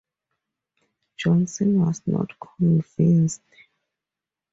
Johnson was not convinced.